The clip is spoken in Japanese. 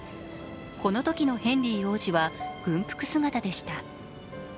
このときのヘンリー王子は軍服姿でした。